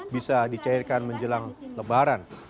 bisa dicairkan menjelang lebaran